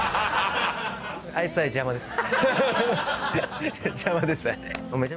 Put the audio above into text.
あいつは邪魔です。